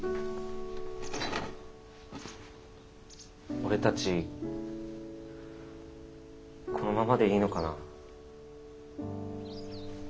俺たちこのままでいいのかな？